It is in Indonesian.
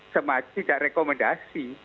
semakin banyak rekomendasi